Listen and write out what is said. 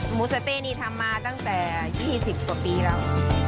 หมูสะเต้นี่ทำมาตั้งแต่๒๐กว่าปีแล้ว